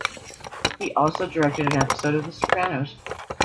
He also directed an episode of "The Sopranos".